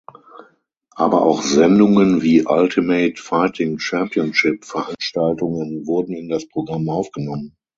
Aber auch Sendungen wie Ultimate Fighting Championship Veranstaltungen wurden in das Programm aufgenommen.